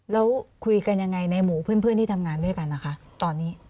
แล้วคุยกันยังไงในหมู่เพื่อนที่ทำงานด้วยกันนะคะตอนนี้